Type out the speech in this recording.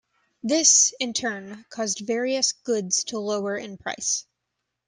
This, in turn, caused various goods to lower in price.